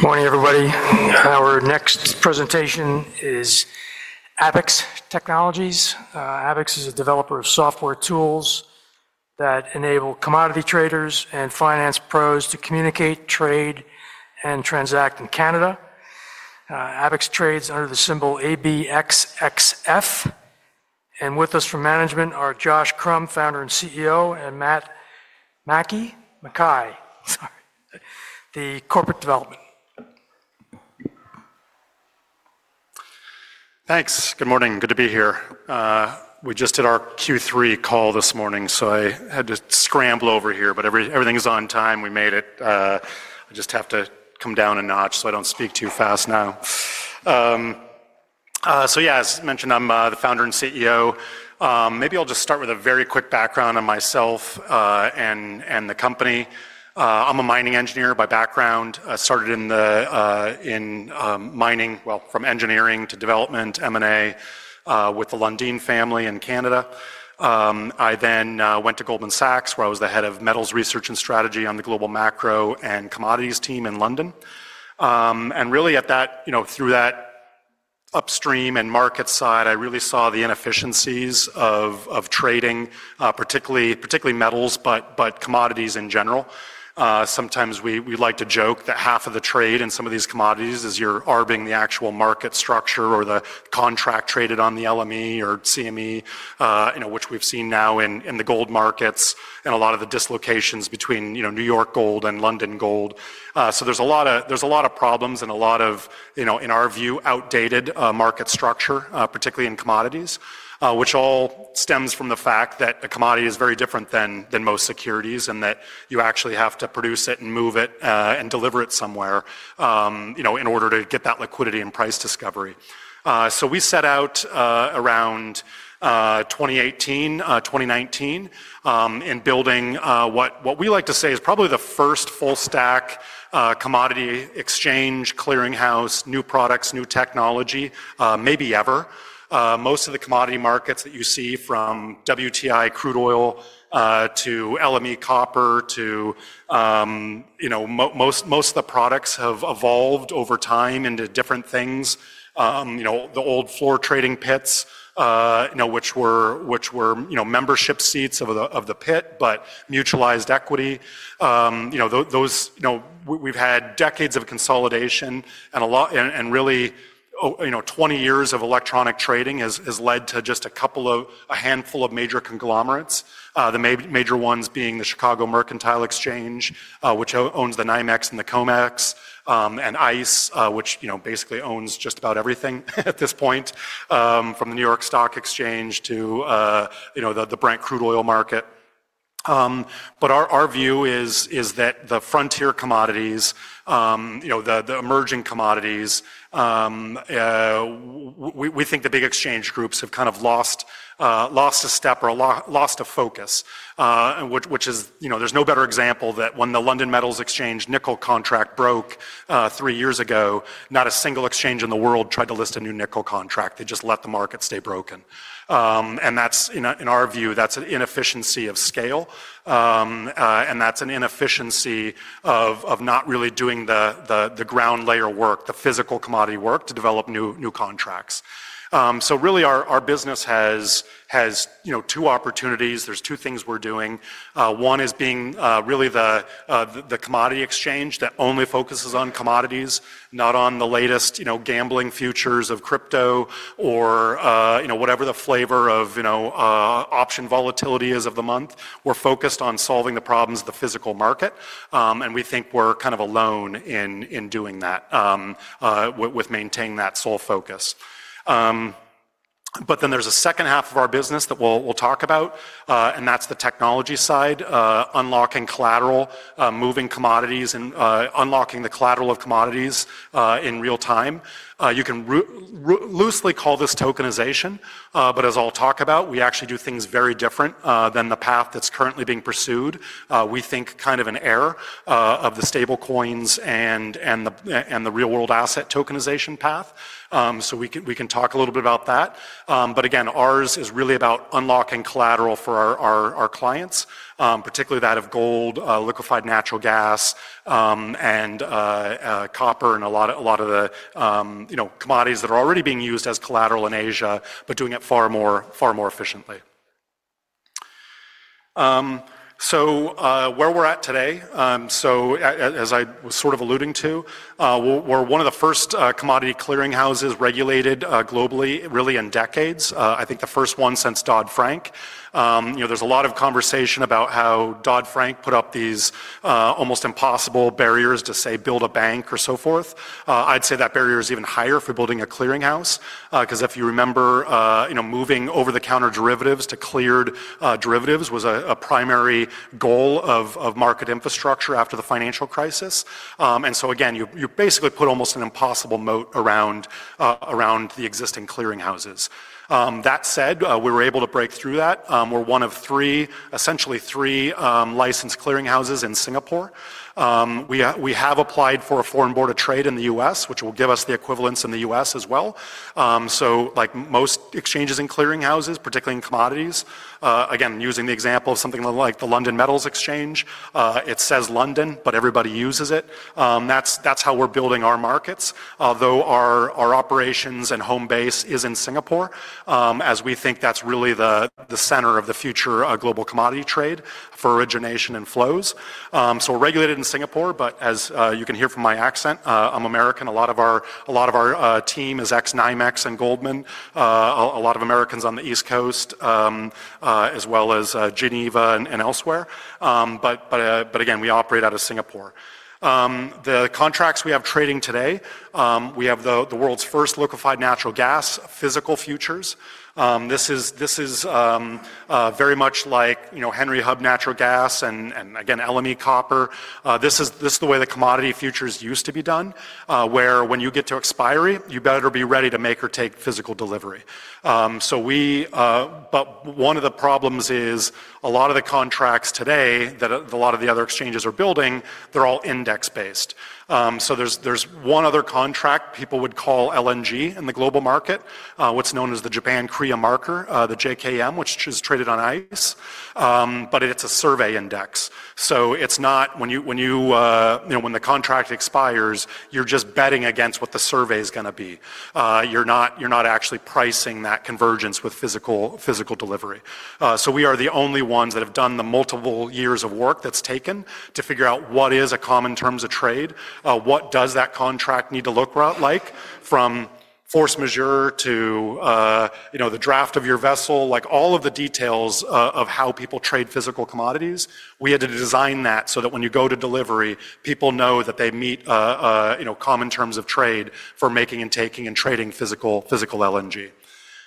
Good morning, everybody. Our next presentation is Abaxx Technologies. Abaxx is a developer of software tools that enable commodity traders and finance pros to communicate, trade, and transact in Canada. Abaxx trades under the symbol ABXXF. With us from management are Josh Crumb, founder and CEO, and Matt Mackay, the Corporate Development. Thanks. Good morning. Good to be here. We just did our Q3 call this morning, so I had to scramble over here, but everything's on time. We made it. I just have to come down a notch so I don't speak too fast now. Yeah, as mentioned, I'm the founder and CEO. Maybe I'll just start with a very quick background on myself and the company. I'm a mining engineer by background. I started in mining, from engineering to development, M&A, with the Lundin family in Canada. I then went to Goldman Sachs, where I was the head of metals research and strategy on the global macro and commodities team in London. Really, through that upstream and market side, I really saw the inefficiencies of trading, particularly metals, but commodities in general. Sometimes we like to joke that half of the trade in some of these commodities is your arbing the actual market structure or the contract traded on the LME or CME, which we've seen now in the gold markets and a lot of the dislocations between New York gold and London gold. There are a lot of problems and a lot of, in our view, outdated market structure, particularly in commodities, which all stems from the fact that a commodity is very different than most securities and that you actually have to produce it and move it and deliver it somewhere in order to get that liquidity and price discovery. We set out around 2018, 2019 in building what we like to say is probably the first full-stack commodity exchange clearing house, new products, new technology, maybe ever. Most of the commodity markets that you see from WTI crude oil to LME copper to most of the products have evolved over time into different things. The old floor trading pits, which were membership seats of the pit, but mutualized equity. We've had decades of consolidation and really 20 years of electronic trading has led to just a couple of a handful of major conglomerates, the major ones being the Chicago Mercantile Exchange, which owns the NYMEX and the COMEX, and ICE, which basically owns just about everything at this point, from the New York Stock Exchange to the Brent crude oil market. Our view is that the frontier commodities, the emerging commodities, we think the big exchange groups have kind of lost a step or lost a focus, which is there's no better example that when the London Metals Exchange nickel contract broke three years ago, not a single exchange in the world tried to list a new nickel contract. They just let the market stay broken. In our view, that's an inefficiency of scale. That's an inefficiency of not really doing the ground layer work, the physical commodity work to develop new contracts. Really, our business has two opportunities. There are two things we're doing. One is being really the commodity exchange that only focuses on commodities, not on the latest gambling futures of crypto or whatever the flavor of option volatility is of the month. We're focused on solving the problems of the physical market. We think we're kind of alone in doing that with maintaining that sole focus. There is a second half of our business that we'll talk about, and that's the technology side, unlocking collateral, moving commodities, and unlocking the collateral of commodities in real time. You can loosely call this tokenization, but as I'll talk about, we actually do things very different than the path that's currently being pursued. We think kind of an heir of the stablecoins and the real-world asset tokenization path. We can talk a little bit about that. Again, ours is really about unlocking collateral for our clients, particularly that of gold, liquefied natural gas, and copper and a lot of the commodities that are already being used as collateral in Asia, but doing it far more efficiently. Where we're at today, as I was sort of alluding to, we're one of the first commodity clearing houses regulated globally really in decades. I think the first one since Dodd-Frank. There's a lot of conversation about how Dodd-Frank put up these almost impossible barriers to, say, build a bank or so forth. I'd say that barrier is even higher for building a clearing house because if you remember, moving over-the-counter derivatives to cleared derivatives was a primary goal of market infrastructure after the financial crisis. You basically put almost an impossible moat around the existing clearing houses. That said, we were able to break through that. We're one of three, essentially three licensed clearing houses in Singapore. We have applied for a foreign border trade in the U.S., which will give us the equivalence in the U.S. as well. Like most exchanges and clearing houses, particularly in commodities, again, using the example of something like the London Metals Exchange, it says London, but everybody uses it. That is how we are building our markets, although our operations and home base is in Singapore, as we think that is really the center of the future global commodity trade for origination and flows. We are regulated in Singapore, but as you can hear from my accent, I am American. A lot of our team is ex-NYMEX and Goldman, a lot of Americans on the East Coast, as well as Geneva and elsewhere. Again, we operate out of Singapore. The contracts we have trading today, we have the world's first liquefied natural gas physical futures. This is very much like Henry Hub Natural Gas and again, LME Copper. This is the way the commodity futures used to be done, where when you get to expiry, you better be ready to make or take physical delivery. One of the problems is a lot of the contracts today that a lot of the other exchanges are building, they're all index-based. There is one other contract people would call LNG in the global market, what's known as the Japan Korea Marker, the JKM, which is traded on ICE, but it's a survey index. When the contract expires, you're just betting against what the survey is going to be. You're not actually pricing that convergence with physical delivery. We are the only ones that have done the multiple years of work that's taken to figure out what is a common terms of trade, what does that contract need to look like from force majeure to the draft of your vessel, like all of the details of how people trade physical commodities. We had to design that so that when you go to delivery, people know that they meet common terms of trade for making and taking and trading physical LNG.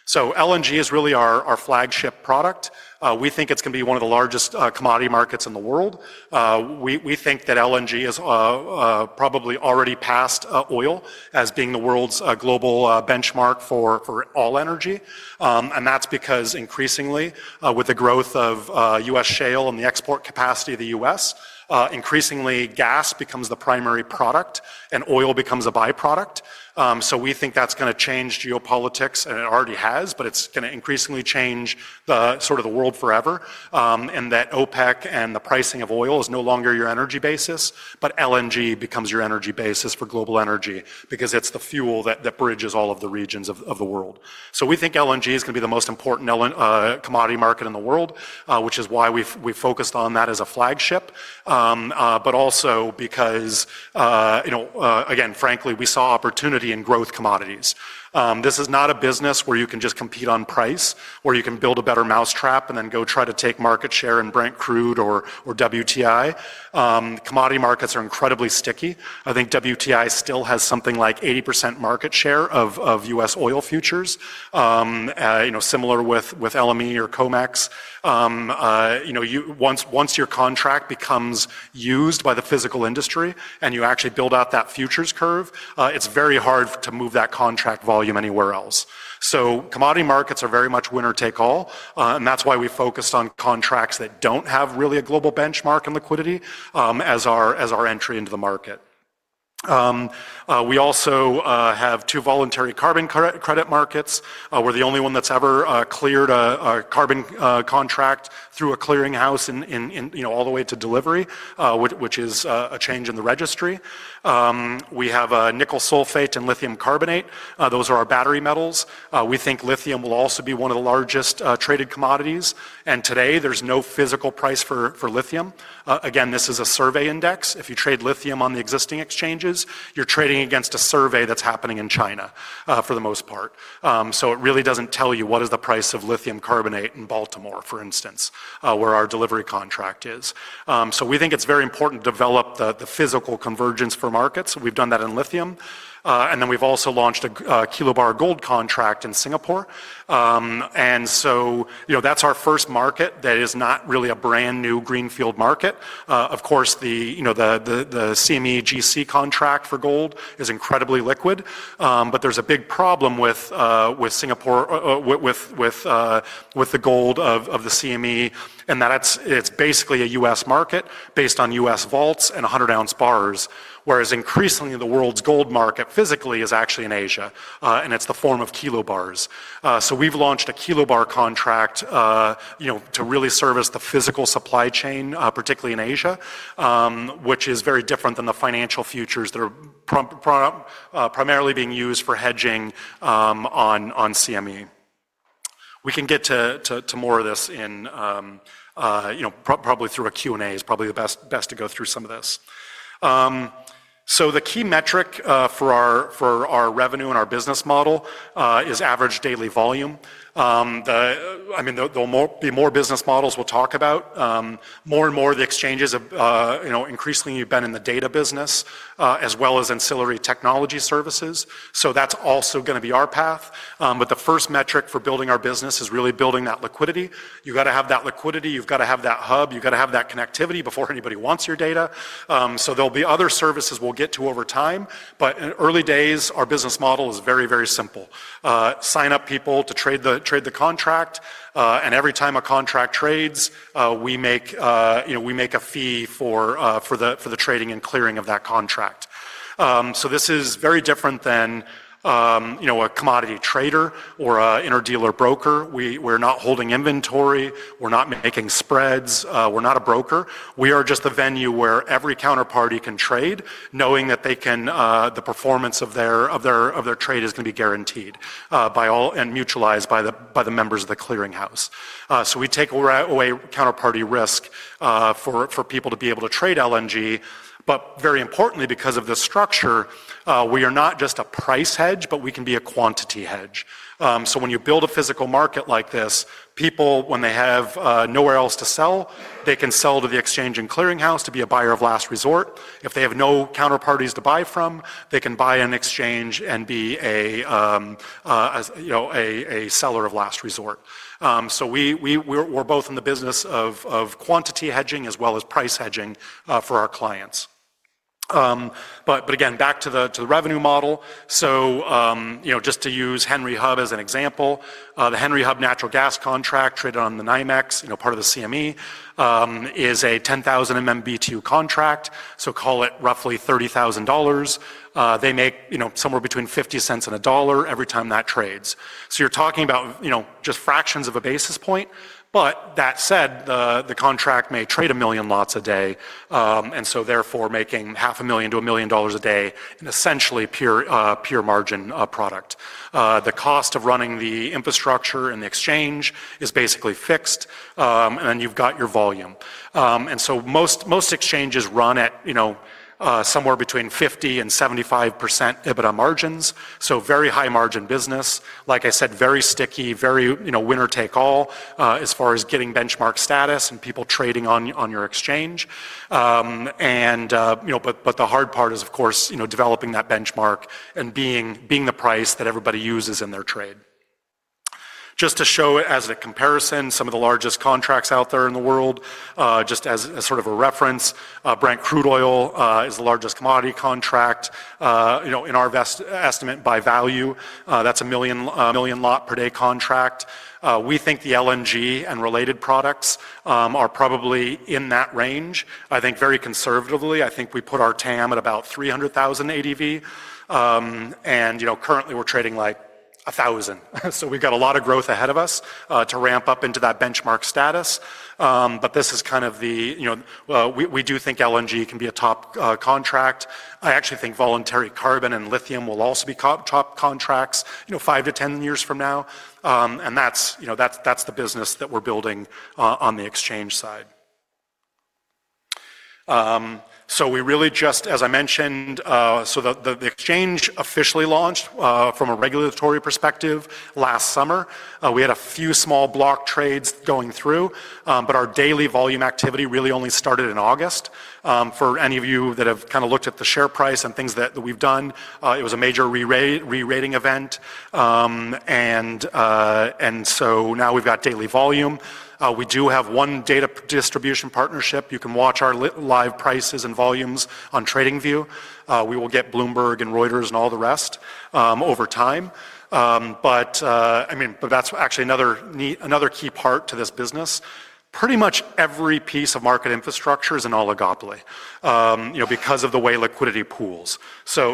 LNG is really our flagship product. We think it's going to be one of the largest commodity markets in the world. We think that LNG is probably already past oil as being the world's global benchmark for all energy. That's because increasingly, with the growth of U.S. shale and the export capacity of the U.S., increasingly gas becomes the primary product and oil becomes a byproduct. We think that's going to change geopolitics, and it already has, but it's going to increasingly change sort of the world forever. OPEC and the pricing of oil is no longer your energy basis, but LNG becomes your energy basis for global energy because it's the fuel that bridges all of the regions of the world. We think LNG is going to be the most important commodity market in the world, which is why we've focused on that as a flagship, but also because, again, frankly, we saw opportunity in growth commodities. This is not a business where you can just compete on price or you can build a better mousetrap and then go try to take market share in Brent crude or WTI. Commodity markets are incredibly sticky. I think WTI still has something like 80% market share of U.S. oil futures, similar with LME or COMEX. Once your contract becomes used by the physical industry and you actually build out that futures curve, it is very hard to move that contract volume anywhere else. Commodity markets are very much winner take all. That is why we focused on contracts that do not have really a global benchmark and liquidity as our entry into the market. We also have two voluntary carbon credit markets. We are the only one that has ever cleared a carbon contract through a clearing house all the way to delivery, which is a change in the registry. We have nickel sulfate and lithium carbonate. Those are our battery metals. We think lithium will also be one of the largest traded commodities. Today, there's no physical price for lithium. Again, this is a survey index. If you trade lithium on the existing exchanges, you're trading against a survey that's happening in China for the most part. It really doesn't tell you what is the price of lithium carbonate in Baltimore, for instance, where our delivery contract is. We think it's very important to develop the physical convergence for markets. We've done that in lithium. We've also launched a kilo bar gold contract in Singapore. That's our first market that is not really a brand new greenfield market. Of course, the CME GC contract for gold is incredibly liquid, but there's a big problem with Singapore, with the gold of the CME, and that it's basically a U.S. market based on U.S. vaults and 100 oz bars, whereas increasingly the world's gold market physically is actually in Asia, and it's the form of kilo bars. We have launched a kilo bar contract to really service the physical supply chain, particularly in Asia, which is very different than the financial futures that are primarily being used for hedging on CME. We can get to more of this probably through a Q&A. It's probably best to go through some of this. The key metric for our revenue and our business model is average daily volume. I mean, there will be more business models we will talk about. More and more of the exchanges, increasingly you've been in the data business as well as ancillary technology services. That is also going to be our path. The first metric for building our business is really building that liquidity. You've got to have that liquidity. You've got to have that hub. You've got to have that connectivity before anybody wants your data. There will be other services we will get to over time. In early days, our business model is very, very simple. Sign up people to trade the contract. Every time a contract trades, we make a fee for the trading and clearing of that contract. This is very different than a commodity trader or an interdealer broker. We're not holding inventory. We're not making spreads. We're not a broker. We are just the venue where every counterparty can trade, knowing that the performance of their trade is going to be guaranteed and mutualized by the members of the clearing house. We take away counterparty risk for people to be able to trade LNG. Very importantly, because of the structure, we are not just a price hedge, but we can be a quantity hedge. When you build a physical market like this, people, when they have nowhere else to sell, they can sell to the exchange and clearing house to be a buyer of last resort. If they have no counterparties to buy from, they can buy an exchange and be a seller of last resort. We are both in the business of quantity hedging as well as price hedging for our clients. Again, back to the revenue model. Just to use Henry Hub as an example, the Henry Hub Natural Gas contract traded on the NYMEX, part of the CME, is a 10,000 MMBtu contract. Call it roughly $30,000. They make somewhere between $0.50 and $1 every time that trades. You're talking about just fractions of a basis point. That said, the contract may trade 1 million lots a day. Therefore, making $500,000 to $1 million a day and essentially pure margin product. The cost of running the infrastructure and the exchange is basically fixed. Then you've got your volume. Most exchanges run at somewhere between 50% and 75% EBITDA margins. Very high margin business. Like I said, very sticky, very winner take all as far as getting benchmark status and people trading on your exchange. The hard part is, of course, developing that benchmark and being the price that everybody uses in their trade. Just to show as a comparison, some of the largest contracts out there in the world, just as sort of a reference, Brent crude oil is the largest commodity contract. In our estimate by value, that's a million lot per day contract. We think the LNG and related products are probably in that range. I think very conservatively, I think we put our TAM at about 300,000 ADV. Currently, we're trading like 1,000. We have a lot of growth ahead of us to ramp up into that benchmark status. This is kind of the we do think LNG can be a top contract. I actually think voluntary carbon and lithium will also be top contracts 5-10 years from now. That is the business that we're building on the exchange side. We really just, as I mentioned, the exchange officially launched from a regulatory perspective last summer. We had a few small block trades going through, but our daily volume activity really only started in August. For any of you that have kind of looked at the share price and things that we've done, it was a major rerating event. Now we've got daily volume. We do have one data distribution partnership. You can watch our live prices and volumes on TradingView. We will get Bloomberg and Reuters and all the rest over time. I mean, that's actually another key part to this business. Pretty much every piece of market infrastructure is in oligopoly because of the way liquidity pools.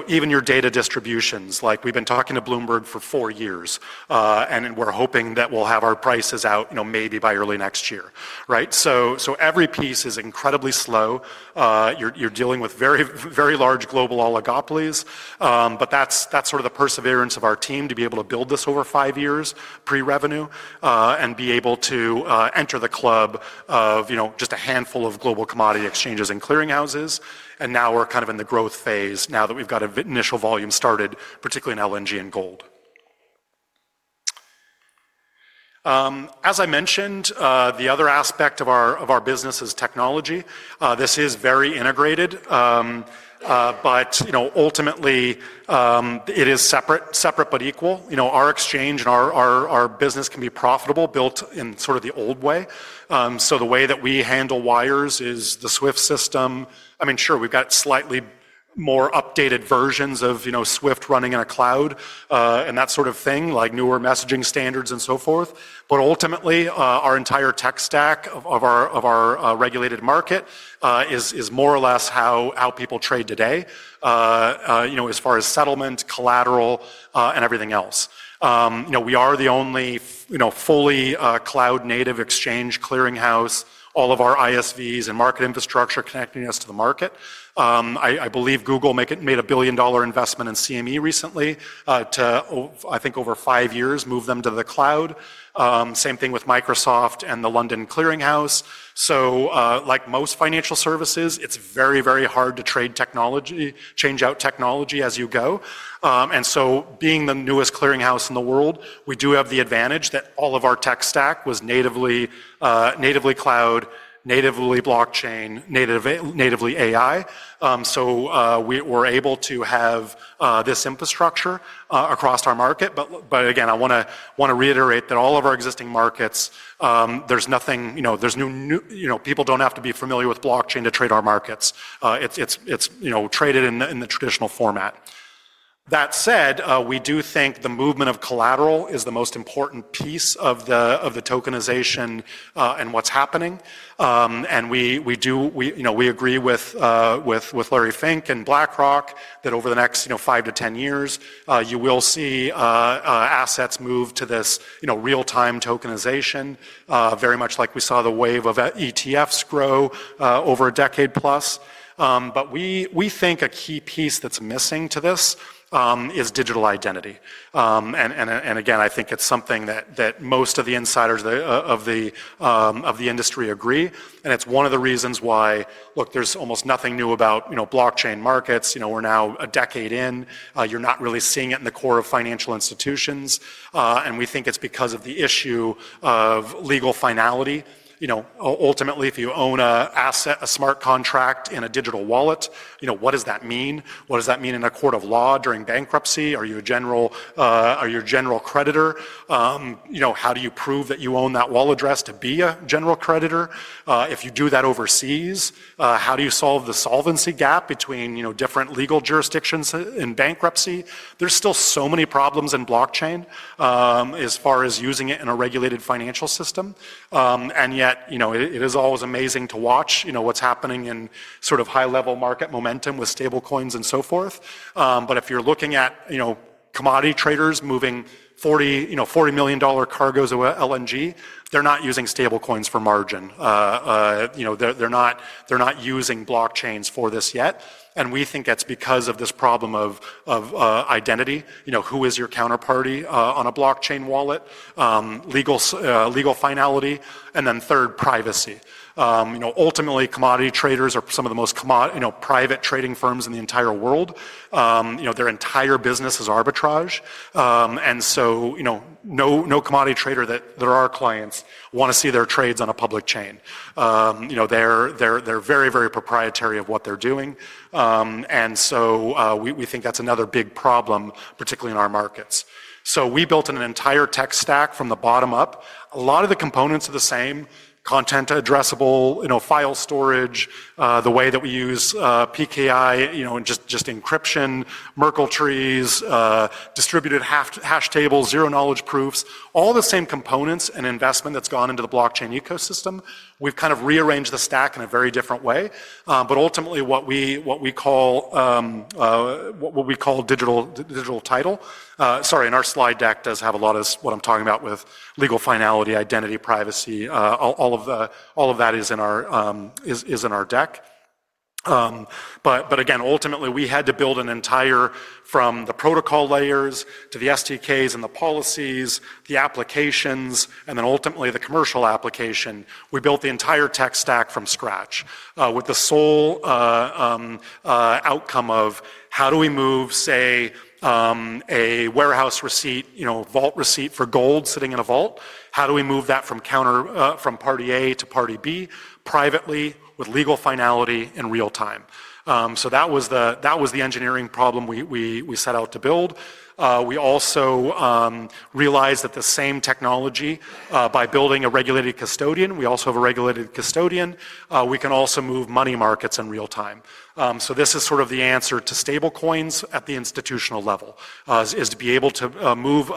Even your data distributions, like we've been talking to Bloomberg for four years, and we're hoping that we'll have our prices out maybe by early next year. Right? Every piece is incredibly slow. You're dealing with very large global oligopolies. That's sort of the perseverance of our team to be able to build this over five years pre-revenue and be able to enter the club of just a handful of global commodity exchanges and clearing houses. Now we're kind of in the growth phase now that we've got initial volume started, particularly in LNG and gold. As I mentioned, the other aspect of our business is technology. This is very integrated, but ultimately, it is separate but equal. Our exchange and our business can be profitable built in sort of the old way. The way that we handle wires is the SWIFT system. I mean, sure, we've got slightly more updated versions of SWIFT running in a cloud and that sort of thing, like newer messaging standards and so forth. But ultimately, our entire tech stack of our regulated market is more or less how people trade today as far as settlement, collateral, and everything else. We are the only fully cloud-native exchange clearing house. All of our ISVs and market infrastructure connecting us to the market. I believe Google made a $1 billion investment in CME recently to, I think, over five years, move them to the cloud. Same thing with Microsoft and the London Clearing House. Like most financial services, it's very, very hard to change out technology as you go. Being the newest clearing house in the world, we do have the advantage that all of our tech stack was natively cloud, natively blockchain, natively AI. We were able to have this infrastructure across our market. Again, I want to reiterate that all of our existing markets, there's nothing people do not have to be familiar with blockchain to trade our markets. It's traded in the traditional format. That said, we do think the movement of collateral is the most important piece of the tokenization and what's happening. We agree with Larry Fink and BlackRock that over the next 5-10 years, you will see assets move to this real-time tokenization, very much like we saw the wave of ETFs grow over a decade plus. We think a key piece that's missing to this is digital identity. I think it's something that most of the insiders of the industry agree. It's one of the reasons why, look, there's almost nothing new about blockchain markets. We're now a decade in. You're not really seeing it in the core of financial institutions. We think it's because of the issue of legal finality. Ultimately, if you own a smart contract in a digital wallet, what does that mean? What does that mean in a court of law during bankruptcy? Are you a general creditor? How do you prove that you own that wallet address to be a general creditor? If you do that overseas, how do you solve the solvency gap between different legal jurisdictions in bankruptcy? There are still so many problems in blockchain as far as using it in a regulated financial system. It is always amazing to watch what's happening in sort of high-level market momentum with stablecoins and so forth. If you're looking at commodity traders moving $40 million cargoes of LNG, they're not using stablecoins for margin. They're not using blockchains for this yet. We think that's because of this problem of identity. Who is your counterparty on a blockchain wallet? Legal finality. Third, privacy. Ultimately, commodity traders are some of the most private trading firms in the entire world. Their entire business is arbitrage. No commodity trader that are our clients want to see their trades on a public chain. They're very, very proprietary of what they're doing. We think that's another big problem, particularly in our markets. We built an entire tech stack from the bottom up. A lot of the components are the same: content addressable file storage, the way that we use PKI, just encryption, Merkle trees, distributed hash tables, zero-knowledge proofs, all the same components and investment that's gone into the blockchain ecosystem. We've kind of rearranged the stack in a very different way. Ultimately, what we call digital title—sorry, in our slide deck does have a lot of what I'm talking about with legal finality, identity, privacy. All of that is in our deck. Again, ultimately, we had to build an entire from the protocol layers to the SDKs and the policies, the applications, and then ultimately the commercial application. We built the entire tech stack from scratch with the sole outcome of how do we move, say, a warehouse receipt, vault receipt for gold sitting in a vault? How do we move that from Party A to Party B privately with legal finality in real time? That was the engineering problem we set out to build. We also realized that the same technology, by building a regulated custodian—we also have a regulated custodian—we can also move money markets in real time. This is sort of the answer to stablecoins at the institutional level: to be able to move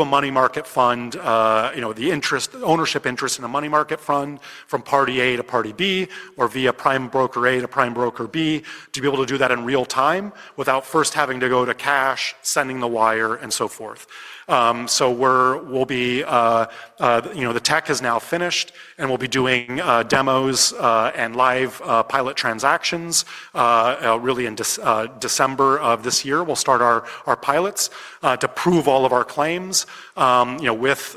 a money market fund, the ownership interest in a money market fund from Party A to Party B or via Prime Broker A to Prime Broker B, to be able to do that in real time without first having to go to cash, sending the wire, and so forth. We'll be—the tech has now finished, and we'll be doing demos and live pilot transactions really in December of this year. We'll start our pilots to prove all of our claims with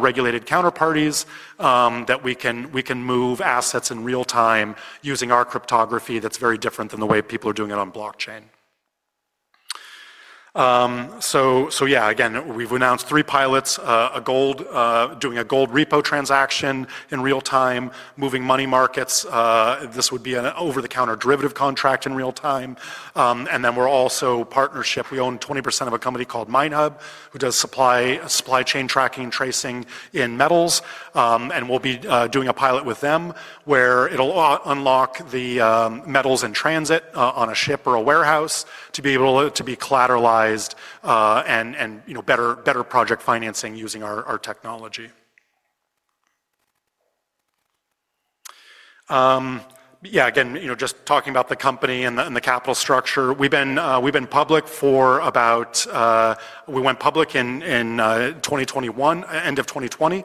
regulated counterparties that we can move assets in real time using our cryptography that's very different than the way people are doing it on blockchain. Again, we've announced three pilots: doing a gold repo transaction in real time, moving money markets. This would be an over-the-counter derivative contract in real time. We are also partnership. We own 20% of a company called MineHub, who does supply chain tracking and tracing in metals. We will be doing a pilot with them where it will unlock the metals in transit on a ship or a warehouse to be able to be collateralized and better project financing using our technology. Yeah, again, just talking about the company and the capital structure. We have been public for about—we went public in 2021, end of 2020. We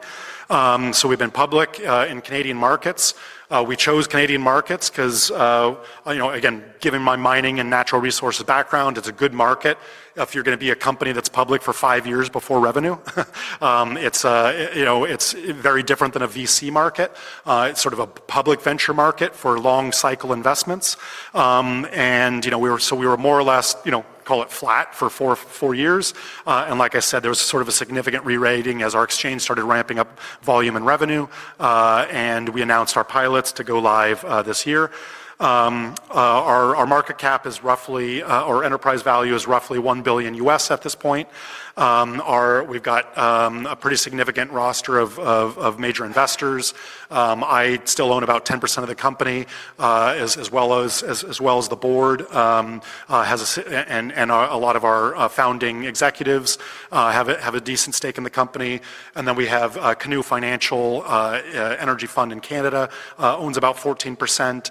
have been public in Canadian markets. We chose Canadian markets because, again, given my mining and natural resources background, it is a good market if you are going to be a company that is public for five years before revenue. It is very different than a VC market. It is sort of a public venture market for long-cycle investments. We were more or less, call it flat for four years. Like I said, there was sort of a significant rerating as our exchange started ramping up volume and revenue. We announced our pilots to go live this year. Our market cap is roughly—our enterprise value is roughly $1 billion U.S. at this point. We've got a pretty significant roster of major investors. I still own about 10% of the company, as well as the board, and a lot of our founding executives have a decent stake in the company. We have Canoe Financial, Energy Fund in Canada, owns about 14%.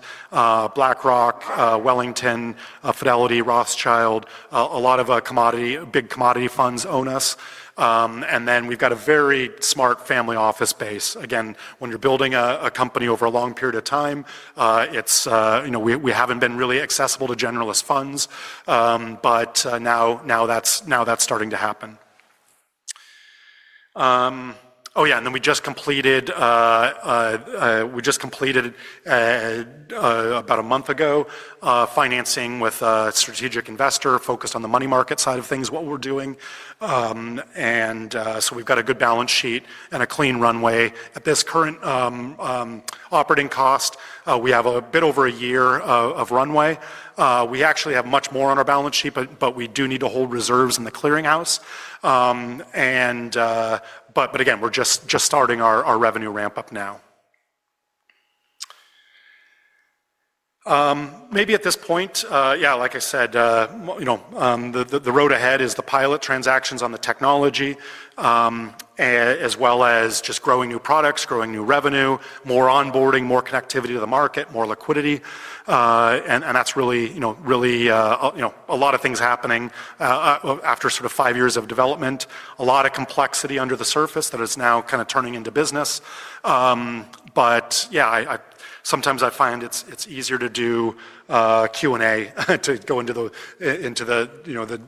BlackRock, Wellington, Fidelity, Rothschild, a lot of big commodity funds own us. We've got a very smart family office base. When you're building a company over a long period of time, we haven't been really accessible to generalist funds. Now that's starting to happen. Oh yeah, we just completed about a month ago financing with a strategic investor focused on the money market side of things, what we're doing. We have a good balance sheet and a clean runway. At this current operating cost, we have a bit over a year of runway. We actually have much more on our balance sheet, but we do need to hold reserves in the clearing house. Again, we're just starting our revenue ramp up now. Maybe at this point, like I said, the road ahead is the pilot transactions on the technology, as well as just growing new products, growing new revenue, more onboarding, more connectivity to the market, more liquidity. That is really a lot of things happening after sort of five years of development, a lot of complexity under the surface that is now kind of turning into business. Yeah, sometimes I find it's easier to do Q&A to go into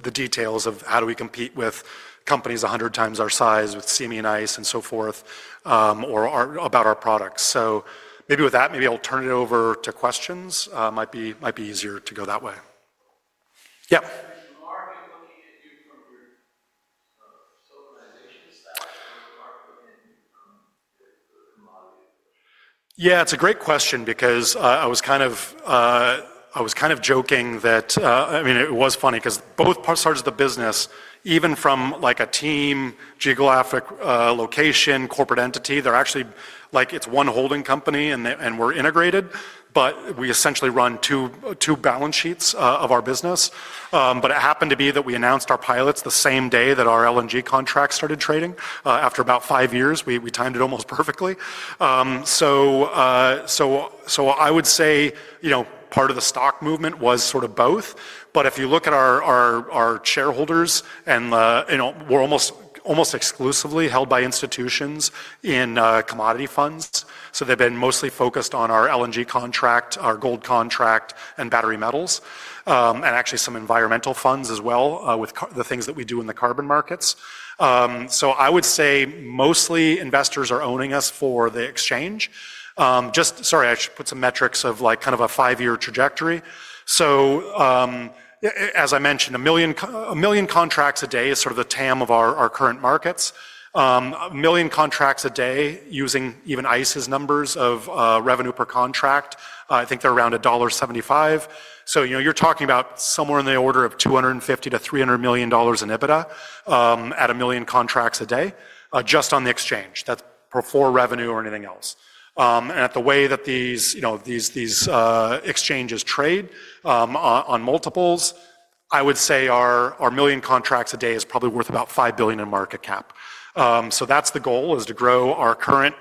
the details of how do we compete with companies 100 times our size with CME and ICE and so forth about our products. Maybe with that, I'll turn it over to questions. Might be easier to go that way. Yeah. Is the market looking at you from your tokenization stack or is the market looking at you from the commodity? Yeah, it's a great question because I was kind of joking that I mean, it was funny because both parts of the business, even from a team, geographic location, corporate entity, they're actually like it's one holding company and we're integrated, but we essentially run two balance sheets of our business. It happened to be that we announced our pilots the same day that our LNG contract started trading. After about five years, we timed it almost perfectly. I would say part of the stock movement was sort of both. If you look at our shareholders, we're almost exclusively held by institutions in commodity funds. They've been mostly focused on our LNG contract, our gold contract, and battery metals, and actually some environmental funds as well with the things that we do in the carbon markets. I would say mostly investors are owning us for the exchange. Sorry, I should put some metrics of kind of a five-year trajectory. As I mentioned, a million contracts a day is sort of the TAM of our current markets. A million contracts a day using even ICE's numbers of revenue per contract, I think they're around $1.75. You're talking about somewhere in the order of $250 million-$300 million in EBITDA at a million contracts a day just on the exchange. That's before revenue or anything else. The way that these exchanges trade on multiples, I would say our million contracts a day is probably worth about $5 billion in market cap. That's the goal, to grow our current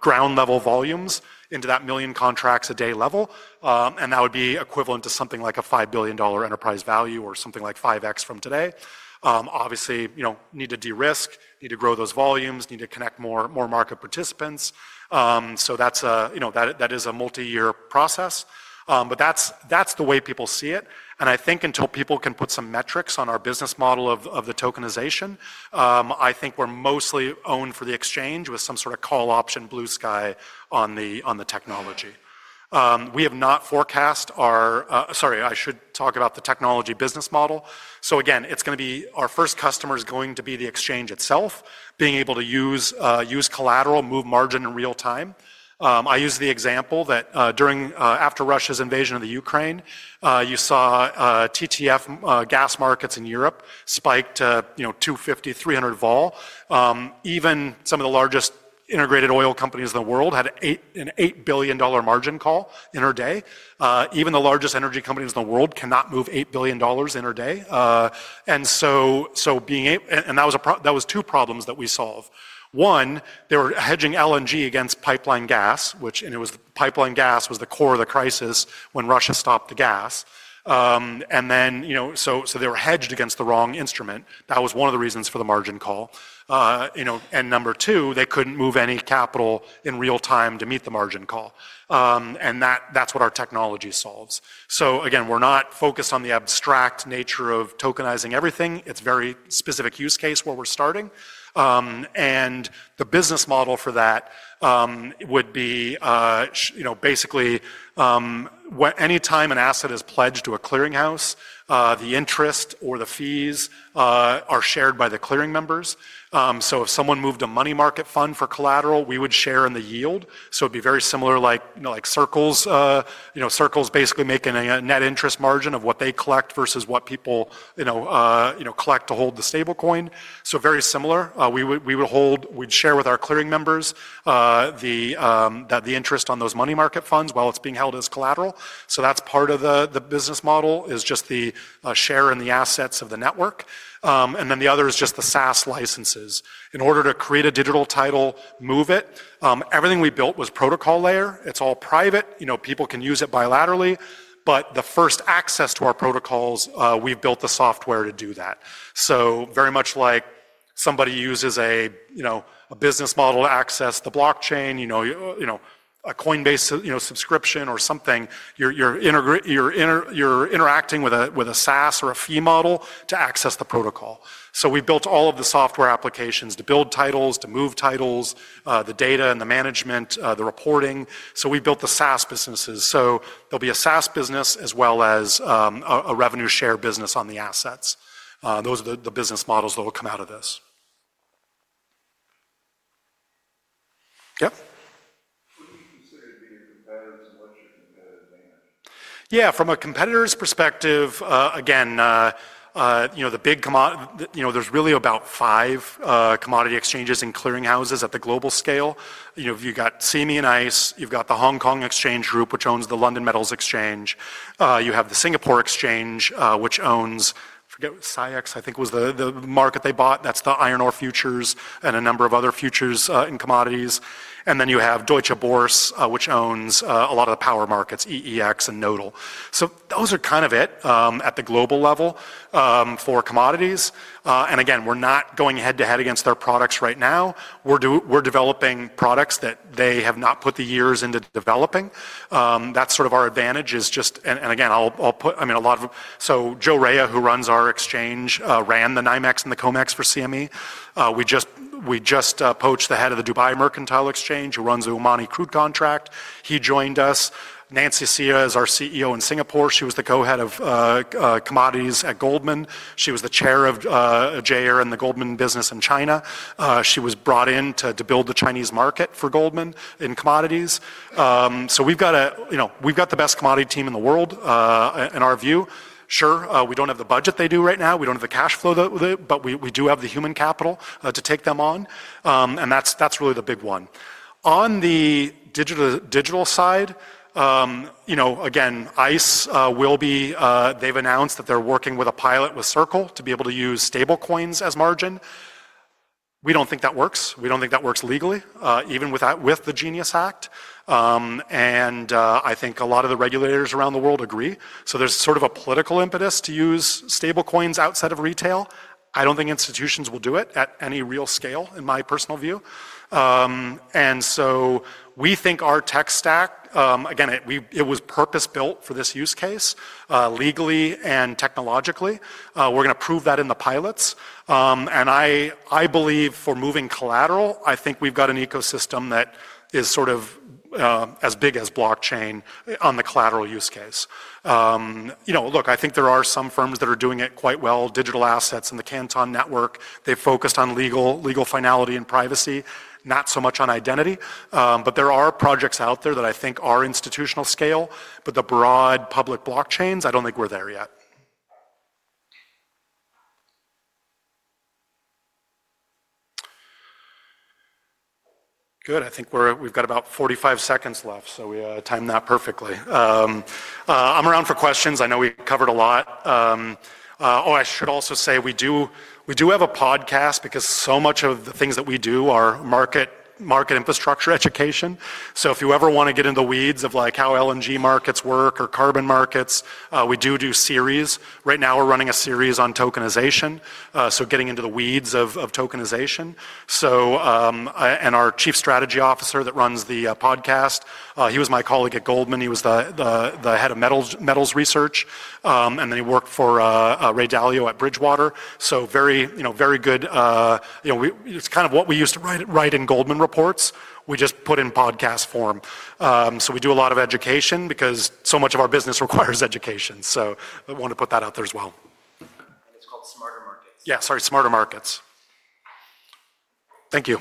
ground-level volumes into that million contracts a day level. That would be equivalent to something like a $5 billion enterprise value or something like 5x from today. Obviously, need to de-risk, need to grow those volumes, need to connect more market participants. That is a multi-year process. That is the way people see it. I think until people can put some metrics on our business model of the tokenization, I think we're mostly owned for the exchange with some sort of call option blue sky on the technology. We have not forecast our—sorry, I should talk about the technology business model. Again, it's going to be our first customers going to be the exchange itself, being able to use collateral, move margin in real time. I use the example that after Russia's invasion of the Ukraine, you saw TTF gas markets in Europe spike to 250-300 vol. Even some of the largest integrated oil companies in the world had an $8 billion margin call intraday. Even the largest energy companies in the world cannot move $8 billion intraday. That was two problems that we solved. One, they were hedging LNG against pipeline gas, and pipeline gas was the core of the crisis when Russia stopped the gas. They were hedged against the wrong instrument. That was one of the reasons for the margin call. Number two, they could not move any capital in real time to meet the margin call. That is what our technology solves. Again, we are not focused on the abstract nature of tokenizing everything. It is a very specific use case where we are starting. The business model for that would be basically anytime an asset is pledged to a clearing house, the interest or the fees are shared by the clearing members. If someone moved a money market fund for collateral, we would share in the yield. It would be very similar, like Circle is basically making a net interest margin of what they collect versus what people collect to hold the stablecoin. Very similar. We would share with our clearing members the interest on those money market funds while it's being held as collateral. Part of the business model is just the share in the assets of the network. The other is just the SaaS licenses. In order to create a digital title, move it. Everything we built was protocol layer. It's all private. People can use it bilaterally. The first access to our protocols, we've built the software to do that. Very much like somebody uses a business model to access the blockchain, a Coinbase subscription or something, you're interacting with a SaaS or a fee model to access the protocol. We've built all of the software applications to build titles, to move titles, the data and the management, the reporting. We built the SaaS businesses. There will be a SaaS business as well as a revenue share business on the assets. Those are the business models that will come out of this. Yep. What do you consider to be your competitors and what's your competitive advantage? Yeah, from a competitor's perspective, again, the big commodity, there's really about five commodity exchanges and clearing houses at the global scale. You've got CME and ICE. You've got the Hong Kong Exchange Group, which owns the London Metals Exchange. You have the Singapore Exchange, which owns—I forget what SGX, I think, was the market they bought. That's the iron ore futures and a number of other futures in commodities. You have Deutsche Börse, which owns a lot of the power markets, EEX and Nodal. Those are kind of it at the global level for commodities. Again, we're not going head to head against their products right now. We're developing products that they have not put the years into developing. That's sort of our advantage is just—I mean, a lot of—so Joe Raia, who runs our exchange, ran the NYMEX and the COMEX for CME. We just poached the head of the Dubai Mercantile Exchange, who runs the Oman Crude Contract. He joined us. Nancy Seah is our CEO in Singapore. She was the Co-Head of Commodities at Goldman. She was the Chair of JR and the Goldman business in China. She was brought in to build the Chinese market for Goldman in commodities. We have the best commodity team in the world in our view. Sure, we do not have the budget they do right now. We do not have the cash flow that we do, but we do have the human capital to take them on. That is really the big one. On the digital side, again, ICE will be—they have announced that they are working with a pilot with Circle to be able to use stablecoins as margin. We do not think that works. We do not think that works legally, even with the GENIUS Act. I think a lot of the regulators around the world agree. There is sort of a political impetus to use stablecoins outside of retail. I don't think institutions will do it at any real scale, in my personal view. We think our tech stack, again, it was purpose-built for this use case legally and technologically. We're going to prove that in the pilots. I believe for moving collateral, I think we've got an ecosystem that is sort of as big as blockchain on the collateral use case. Look, I think there are some firms that are doing it quite well. Digital Assets and the Canton Network, they've focused on legal finality and privacy, not so much on identity. There are projects out there that I think are institutional scale. The broad public blockchains, I don't think we're there yet. Good. I think we've got about 45 seconds left, so we time that perfectly. I'm around for questions. I know we covered a lot. Oh, I should also say we do have a podcast because so much of the things that we do are market infrastructure education. If you ever want to get in the weeds of how LNG markets work or carbon markets, we do do series. Right now, we're running a series on tokenization, so getting into the weeds of tokenization. Our Chief Strategy Officer that runs the podcast, he was my colleague at Goldman. He was the head of metals research. Then he worked for Ray Dalio at Bridgewater. Very good. It is kind of what we used to write in Goldman reports. We just put in podcast form. We do a lot of education because so much of our business requires education. I wanted to put that out there as well. It is called Smarter Markets. Yeah, sorry, Smarter Markets. Thank you.